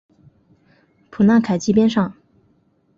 普纳凯基边上。